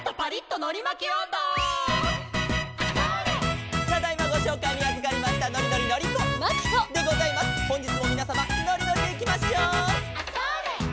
「ほんじつもみなさまのりのりでいきましょう」